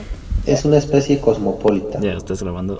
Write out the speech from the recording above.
Es una especie cosmopolita.